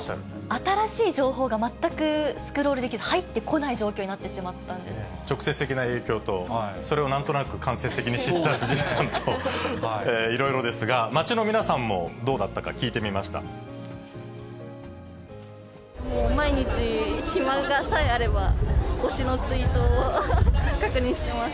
新しい情報が全くスクロールできず、入ってこない状況になっ直接的な影響と、それをなんとなく間接的に知った藤井さんと、いろいろですが、街の皆さんもど毎日、暇さえあれば推しのツイートを確認してます。